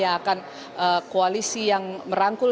yang akan koalisi yang merangkul